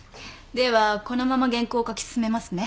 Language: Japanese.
ではこのまま原稿を書き進めますね。